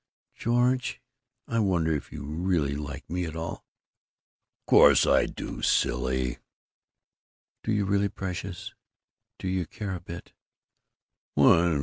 "George, I wonder if you really like me at all?" "Course I do, silly." "Do you really, precious? Do you care a bit?"